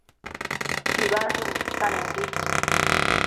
tsibansshun istanembi